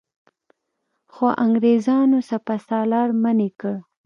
خو انګرېزانو سپه سالار منع کړ.